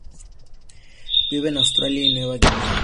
Vive en Australia y Nueva Guinea.